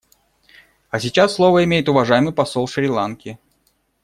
А сейчас слово имеет уважаемый посол Шри-Ланки.